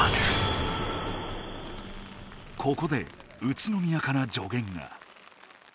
ここで宇都宮からじょげんが。